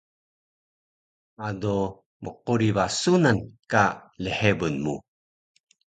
ado mquri ba sunan ka lhebun mu